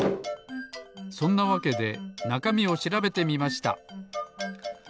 そんなわけでなかみをしらべてみました。